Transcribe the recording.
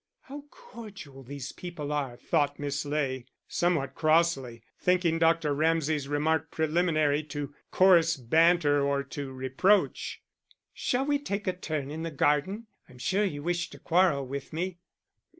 "How cordial these people are," thought Miss Ley, somewhat crossly, thinking Dr. Ramsay's remark preliminary to coarse banter or to reproach. "Shall we take a turn in the garden; I'm sure you wish to quarrel with me."